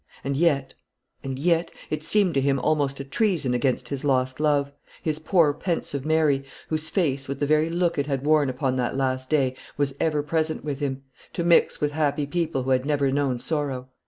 And yet and yet it seemed to him almost a treason against his lost love, his poor pensive Mary, whose face, with the very look it had worn upon that last day, was ever present with him, to mix with happy people who had never known sorrow.